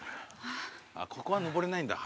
ここは上れないんだ。